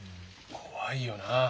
怖いよな。